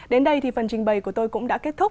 đến đây thì phần trình bày của tôi cũng đã kết thúc